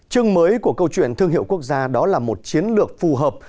chương mới của câu chuyện thương hiệu quốc gia đó là một chiến lược phù hợp